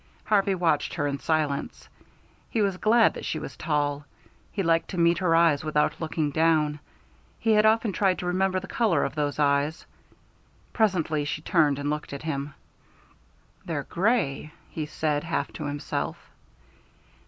Harvey watched her in silence. He was glad that she was tall; he liked to meet her eyes without looking down. He had often tried to remember the color of those eyes. Presently she turned and looked at him. "They're gray," he said, half to himself.